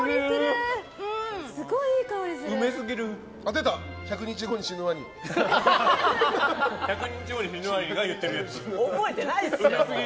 すごい、いい香りする。